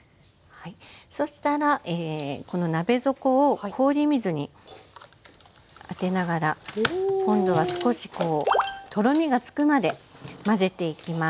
そしたらこの鍋底を氷水に当てながら今度は少しとろみがつくまで混ぜていきます。